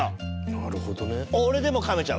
なるほどね。